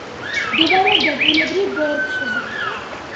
მდებარეობდა ბუნებრივ ბორცვზე.